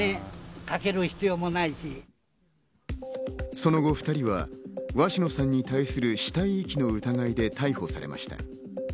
その後、２人は鷲野さんに対する死体遺棄の疑いで逮捕されました。